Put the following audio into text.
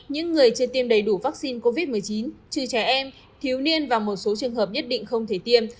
những người chưa tiêm đầy đủ vaccine covid một mươi chín trừ trẻ em thiếu niên và một số trường hợp nhất định không thể tiêm